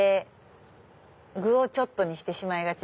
具をちょっとにしてしまいがち。